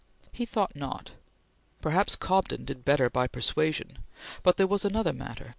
He thought not. Perhaps Cobden did better by persuasion, but that was another matter.